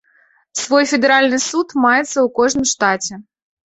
Свой федэральны суд маецца ў кожным штаце.